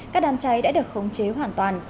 các đám cháy đã được khống chế hoàn toàn